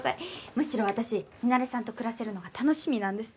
むしろ私ミナレさんと暮らせるのが楽しみなんです。